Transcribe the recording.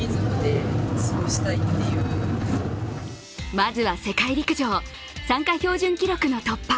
まずは世界陸上参加標準記録の突破。